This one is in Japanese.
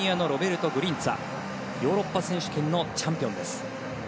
ヨーロッパ選手権のチャンピオンです。